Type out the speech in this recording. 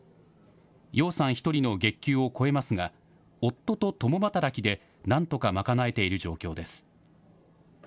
葉さん１人の月給を超えますが、夫と共働きでなんとか賄えている状況です。